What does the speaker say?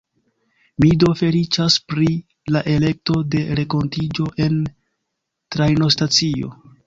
Mi do feliĉas pri la elekto de renkontiĝo en trajnostacio.